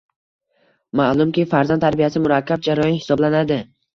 Malumki, farzand tarbiyasi murakkab jarayon hisoblanadi